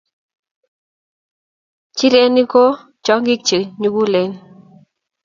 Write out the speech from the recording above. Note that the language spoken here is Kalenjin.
nchirenik ko chong'ik che nyolkulen